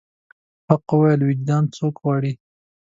حق ویل د وجدان ځواک غواړي.